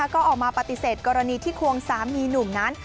ก็ออกมาปฏิเสธกรณีที่ควงสามีหนุ่มนั้น